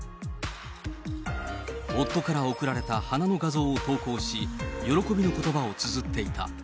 夫から贈られた花の画像を投稿し、喜びのことばをつづっていた。